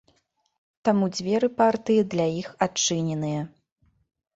Таму дзверы партыі для іх адчыненыя.